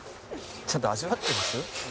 「ちゃんと味わってます？」